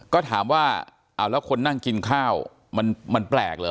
ก็ถามว่าเอาแล้วคนนั่งกินข้าวมันแปลกเหรอ